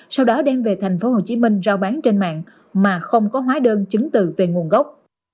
sau đó đem về tp hcm giao bán trên mạng mà không có hóa đơn chứng từ về nguồn gốc